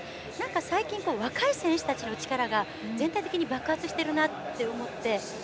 最近、若い選手の力が全体的に爆発してるなと思って。